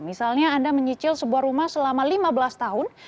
misalnya anda menyicil sebuah rumah selama lima belas tahun